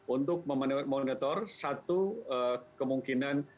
untuk memonitor satu kemungkinan